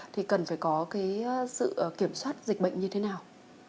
thì cần phải có cái sự kiểm soát dịch bệnh như thế nào